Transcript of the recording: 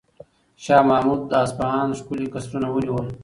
شاه محمود د اصفهان ښکلي قصرونه ونیول.